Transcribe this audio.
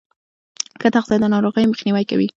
ښه تغذیه د ناروغیو مخنیوی کوي.